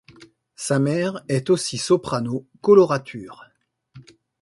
Sa mère est aussi soprano colorature.